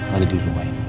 gak ada di rumah ini